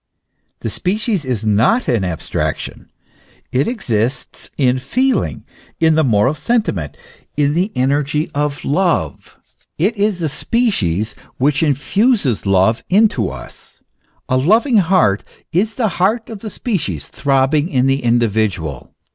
The species is not an abstraction; it exists in feeling, in the moral sentiment, in the energy of love. It is the species which infuses love into me. A loving heart is the heart of the species throbbing in the individual.